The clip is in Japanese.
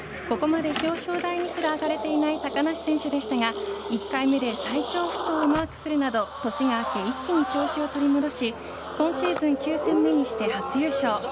ここまで表彰台にすら上がれていない高梨選手でしたが１回目で最長不倒をマークするなど年が明け、一気に調子を取り戻し今シーズン９戦目にして初優勝。